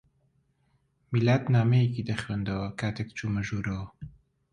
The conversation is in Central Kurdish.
میلاد نامەیەکی دەخوێندەوە کاتێک چوومە ژوورەوە.